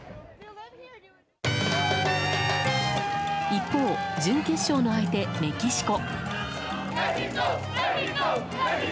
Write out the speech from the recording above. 一方、準決勝の相手メキシコ。